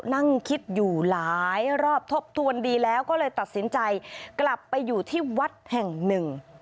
นั่งคิดอยู่หลายรอบทบทวนดีแล้วก็เลยตัดสินใจกลับไปอยู่ที่วัดแห่งหนึ่ง